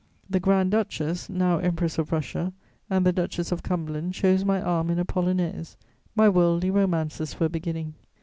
The Grand duchess, now Empress of Russia, and the Duchess of Cumberland chose my arm in a polonaise: my worldly romances were beginning.